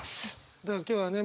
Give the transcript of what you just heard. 今日はね